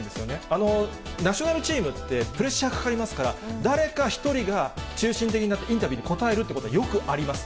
あのナショナルチームってプレッシャーかかりますから、誰か１人が中心的になって、インタビューに答えるってことは、よくあります。